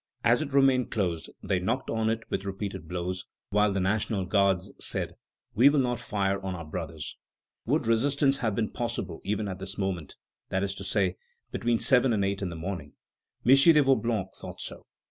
As it remained closed, they knocked on it with repeated blows, while the National Guards said: "We will not fire on our brothers." Would resistance have been possible even at this moment; that is to say, between seven and eight in the morning? M. de Vaublanc thought so.